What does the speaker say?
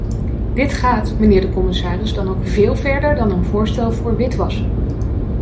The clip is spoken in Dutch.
Dit gaat, mijnheer de commissaris, dan ook veel verder dan een voorstel voor witwassen.